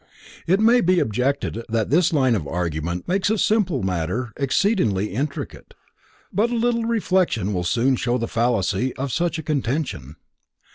It may be objected that this line of argument makes a simple matter exceedingly intricate, but a little reflection will soon show the fallacy of such a contention.